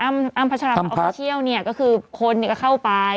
อ้ำพัชลัพย์ออกเที่ยวเนี่ยก็คือคนเนี่ยเข้าไป